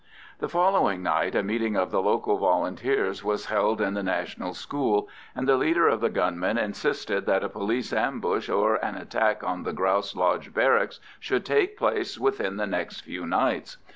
The following night a meeting of the local Volunteers was held in the National School, and the leader of the gunmen insisted that a police ambush or an attack on the Grouse Lodge Barracks should take place within the next few nights.